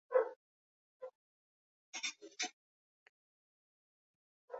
Asociados se separa de Estudios San Miguel y se transforma en sociedad anónima.